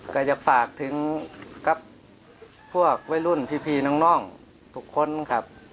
อยากจะฝากถึงกับพวกวัยรุ่นพี่น้องทุกคนครับ